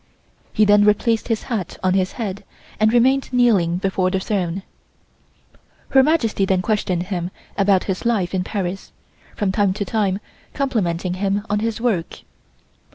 He then replaced his hat on his head and remained kneeling before the throne. Her Majesty then questioned him about his life in Paris, from time to time complimenting him on his work.